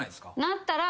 なったら。